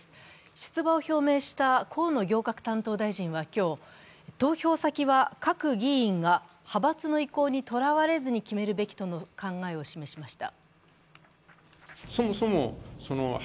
出馬を表明した河野行革担当大臣は今日投票先は各議員が派閥の意向に囚われずに決めるべきとの考えを示しました。